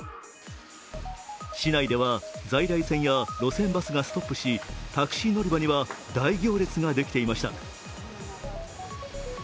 市内では、在来線や路線バスがストップし、タクシー乗り場には大行列ができていました。